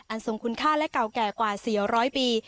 อันสงคุณค่าและเก่าแก่กว่าสี่หรอร้อยปี